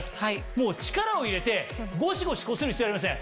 もう力を入れてゴシゴシこする必要はありません。